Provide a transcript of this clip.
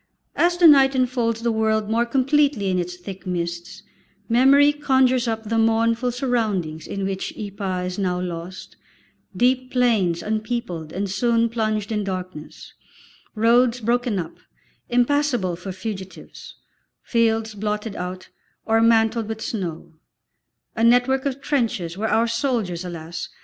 As the night enfolds the world more completely in its thick mists, memory conjures up the mournful surroundings in which Ypres is now lost, deep plains unpeopled and soon plunged in darkness, roads broken up, impassable for fugitives, fields blotted out or mantled with snow, a network of trenches where our soldiers, alas!